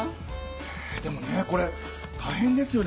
でもねこれたいへんですよね。